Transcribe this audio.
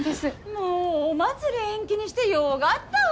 もうお祭り延期にしてよがったわ。